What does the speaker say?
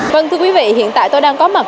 vâng thưa quý vị hiện tại tôi đang có mặt